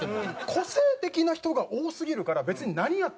個性的な人が多すぎるから別に何やってても。